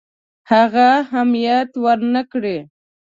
هغه اهمیت ورنه کړي.